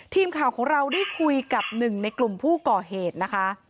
ทีมข่าวของเราได้คุยกับหนึ่งในกลุ่มผู้ก่อเหตุนะคะ